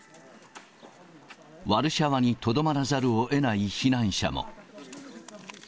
ワルシャワにとどまらざるをえない避難者も。